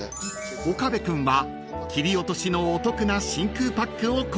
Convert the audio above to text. ［岡部君は切り落としのお得な真空パックを購入］